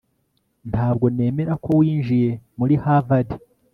ntabwo nemera ko winjiye muri harvard